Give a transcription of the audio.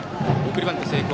送りバント成功。